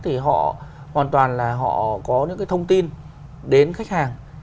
thì họ hoàn toàn là họ có những cái thông tin đến khách hàng